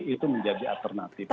itu menjadi alternatif